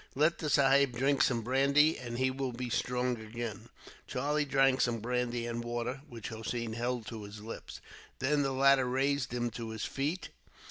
"Let the Sahib drink some brandy, and he will be strong again." Charlie drank some brandy and water, which Hossein held to his lips. Then the latter raised him to his feet.